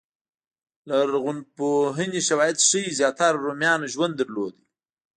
لرغونپوهنې شواهد ښيي زیاتره رومیانو ژوند درلود